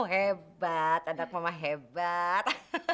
hebat anak mama hebat